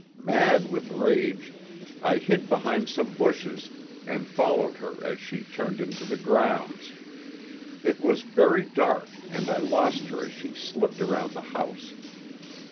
Mad with rage, I hid behind some bushes and followed her as she turned into the grounds. It was very dark and I lost her as she slipped around the house.